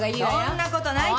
そんなことないって。